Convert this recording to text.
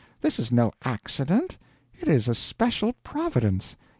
This is no accident, it is a special Providence.